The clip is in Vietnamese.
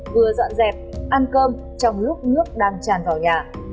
vừa dọn dẹp ăn cơm trong lúc nước đang tràn vào nhà